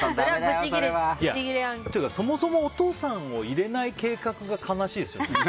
そもそもお父さんを入れない計画が悲しいですよね。